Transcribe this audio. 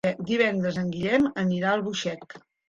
Divendres en Guillem anirà a Albuixec.